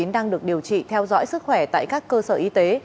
đang được điều trị theo dõi sức khỏe tại các cơ sở y tế